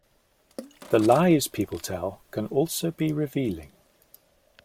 The lies people tell can also be revealing.